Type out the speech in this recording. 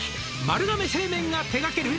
丸亀製麺が手がける」